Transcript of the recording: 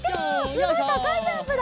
すごいたかいジャンプだ！